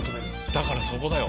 だからそこだよ。